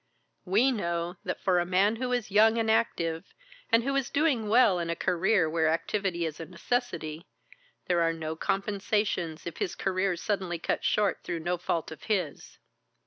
We know that for a man who is young and active, and who is doing well in a career where activity is a necessity, there are no compensations if his career's suddenly cut short through no fault of his."